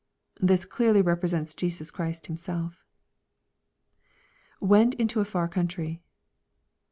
] This clearly represents Jesus Christ Himself [ Went mto a far country.